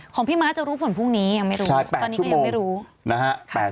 ของพี่ม้าจะรู้ผลพรุ่งนี้ยังไม่รู้ตอนนี้ก็ยังไม่รู้ใช่๘ชั่วโมง